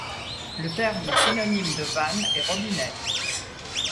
Le terme synonyme de vanne est robinet.